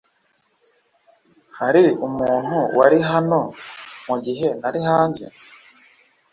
Hari umuntu wari hano mugihe nari hanze?